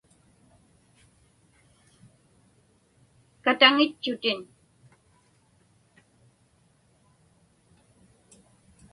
Kataŋitchutin.